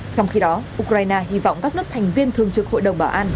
trong khi đó ukraine hy vọng các nước thành viên thường trực hội đồng bảo an